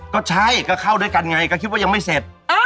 ก็ใช่ก็เข้าด้วยกันไงก็คิดว่ายังไม่เสร็จ